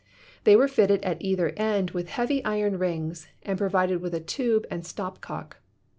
They were fitted at either end with heavy iron rings and provided with a tube and stop cock.